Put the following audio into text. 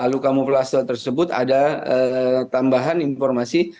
luka kamuflase tersebut ada tambahan informasi